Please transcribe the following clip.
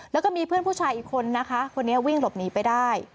แล้วก็มีเพื่อนผู้ชายอีกคนนะคะคนนี้วิ่งหลบหนีไปได้